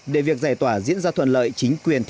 để việc giải tỏa diễn ra thuận lợi